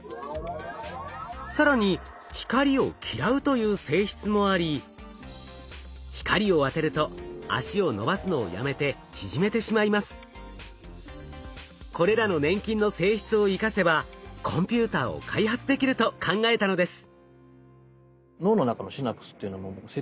更に光を嫌うという性質もあり光を当てるとこれらの粘菌の性質を生かせばコンピューターを開発できると考えたのです。